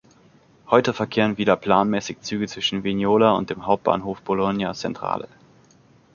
Heute verkehren wieder planmäßig Züge zwischen Vignola und dem Hauptbahnhof Bologna Centrale.